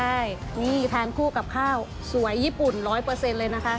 ใช่นี่ทานคู่กับข้าวสวยญี่ปุ่น๑๐๐เลยนะคะ